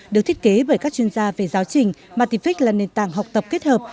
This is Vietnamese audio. được thiết kế bởi các chuyên gia về giáo trình martific là nền tảng học tập kết hợp